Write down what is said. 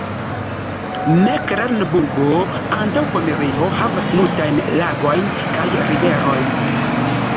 Meklenburgo-Antaŭpomerio havas multajn lagojn kaj riverojn.